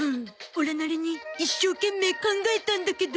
オラなりに一生懸命考えたんだけど。